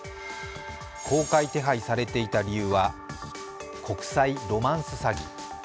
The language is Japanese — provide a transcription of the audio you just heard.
公開手配されていた理由は、国際ロマンス詐欺。